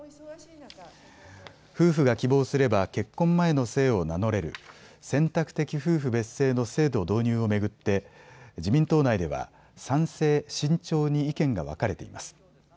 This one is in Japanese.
夫婦が希望すれば結婚前の姓を名乗れる選択的夫婦別姓の制度導入を巡って自民党内では賛成、慎重に意見が分かれています。